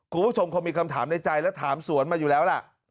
คุณผู้ชมคงมีคำถามในใจและถามสวนมาอยู่แล้วล่ะ